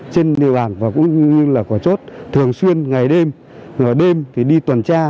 trên địa bàn và cũng như là quả chốt thường xuyên ngày đêm đêm thì đi tuần tra